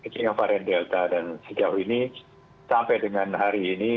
jadi varian delta dan sejauh ini sampai dengan hari ini